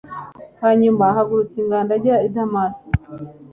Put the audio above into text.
hanyuma ahagurutsa ingando ajya i damasi